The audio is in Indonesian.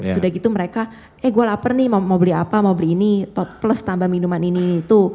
sudah gitu mereka eh gue lapar nih mau beli apa mau beli ini plus tambah minuman ini itu